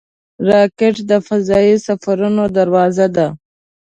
راکټ د فضايي سفرونو دروازه ده